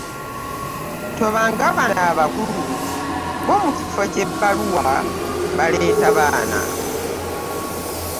Tobanga nga bano bakulu bo mu kifo ky'ebbaluwa baaleeta baana.